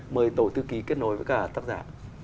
mời tổ thư ký kết nối với cả tác giả